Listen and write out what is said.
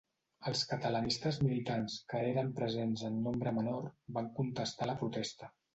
Els catalanistes militants, que eren presents en nombre menor, van contestar la protesta.